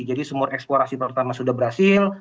jadi sumur eksplorasi pertama sudah berhasil